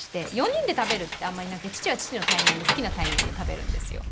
４人で食べるってあんまりなくて父は父のタイミング好きなタイミングで食べるんですよ。